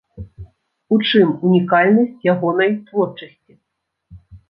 У чым унікальнасць ягонай творчасці?